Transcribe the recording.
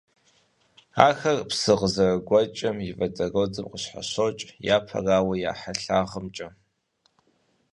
Ахэр псы къызэрыгуэкӀым и водородым къыщхьэщокӀ, япэрауэ, я хьэлъагъымкӀэ.